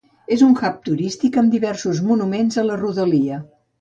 És un hub turístic amb diversos monuments a la rodalia.